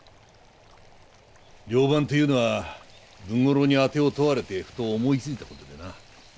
寮番っていうのは文五郎に当てを問われてふと思いついた事でな。